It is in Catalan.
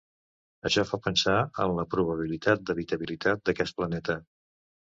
Això fa pensar en la probabilitat d'habitabilitat d'aquest planeta.